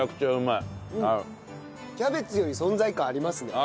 キャベツより存在感ありますね。